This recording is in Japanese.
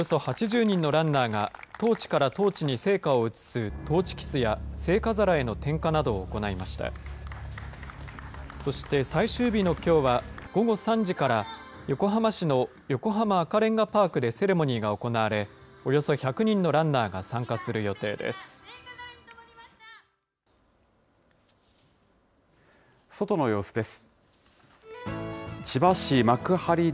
そして、最終日のきょうは午後３時から、横浜市の横浜赤レンガパークでセレモニーが行われ、およそ１００人のランナーが参加する予定です。